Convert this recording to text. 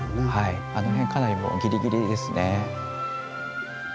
あの辺かなりもうギリギリですね。